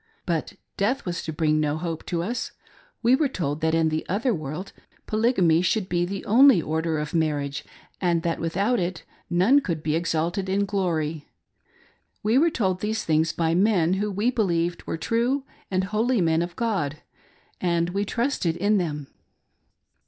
But death was to bring no hope to us : we were told that in the other world Polygamy should be the only order of marriage, and that without it none could be exalted in glory. We were told these things by men Who we believed were true and holy men of God; and we trusted in them.